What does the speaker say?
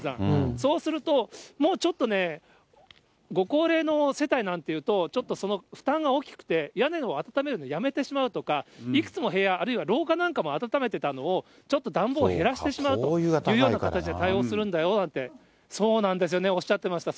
そうするともうちょっとね、ご高齢の世帯なんていうと、ちょっとその負担が大きくて、屋根を温めるのをやめてしまうとか、いくつも部屋、あるいは廊下なんかも暖めたのをちょっと暖房を減らしてしまうというような形で対応するんだよなんておっしゃっていました。